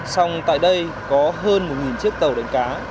song tại đây có hơn một chiếc tàu đánh cá